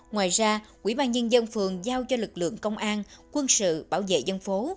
ngoài ra quỹ ban nhân dân phường giao cho lực lượng công an quân sự bảo vệ dân phố